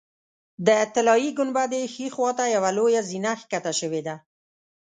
د طلایي ګنبدې ښي خوا ته یوه لویه زینه ښکته شوې ده.